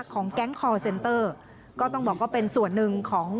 ของแก๊งคอร์เซนเตอร์ก็ต้องบอกว่าเป็นส่วนหนึ่งของ